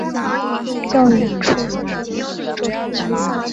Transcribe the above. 较远处则是广大的住宅区。